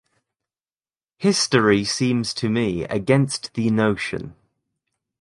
History seems to me against the notion.